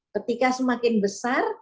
ketika semakin besar